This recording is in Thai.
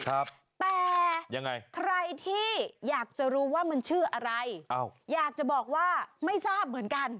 แต่ยังไงใครที่อยากจะรู้ว่ามันชื่ออะไรอ้าวอยากจะบอกว่าไม่ทราบเหมือนกัน